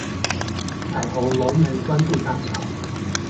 彩虹龍門關渡大橋